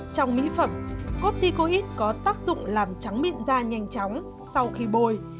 trong mỹ phẩm cotticoid có tác dụng làm trắng mịn da nhanh chóng sau khi bôi